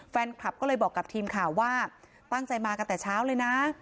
แฟนคลับก็เลยบอกกับทีมข่าวว่าตั้งใจมากันแต่เช้าเลยนะ